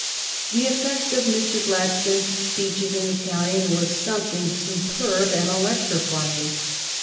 The effect of Mr. Gladstone's speeches in Italian was something superb and electrifying.